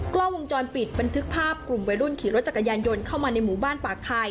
กล้องวงจรปิดบันทึกภาพกลุ่มวัยรุ่นขี่รถจักรยานยนต์เข้ามาในหมู่บ้านปากคาย